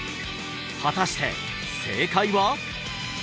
果たして正解は？